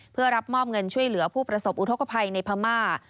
เพื่อรับมอบเงินช่วยเหลือผู้ประสบอุทธกภัยในพม่า